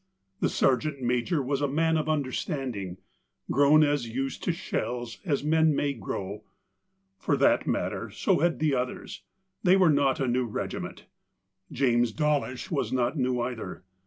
The sergeant major was a man of understanding, grown as used to shells as man may grow. For that matter so had the others — they were not a new regiment. James Dawlish was not new either.